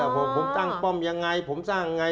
ผมตั้งป้อมยังไงผมสร้างไง